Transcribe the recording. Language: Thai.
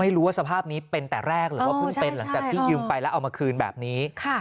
สภาพนี้เป็นแต่แรกหรือว่าเพิ่งเป็นหลังจากที่ยืมไปแล้วเอามาคืนแบบนี้